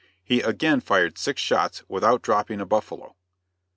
He again fired six shots, without dropping a buffalo.